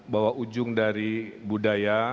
bahwa ujung dari budaya